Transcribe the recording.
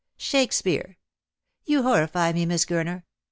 Shakespeare ! You horrify me, Miss Gurner.